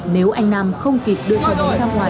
nếu anh nam không kịp đưa cháu đến sang ngoài